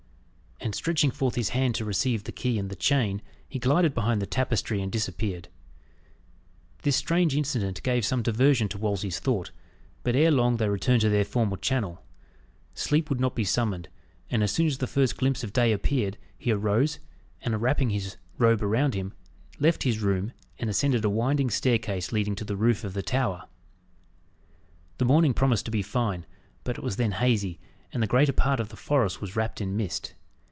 And stretching forth his hand to receive the key and the chain, he glided behind the tapestry, and disappeared. This strange incident gave some diversion to Wolsey's thought; but ere long they returned to their former channel. Sleep would not be summoned, and as soon as the first glimpse of day appeared, he arose, and wrapping his robe around him, left his room and ascended a winding staircase leading to the roof of the tower. The morning promised to be fine, but it was then hazy, and the greater part of the forest was wrapped in mist.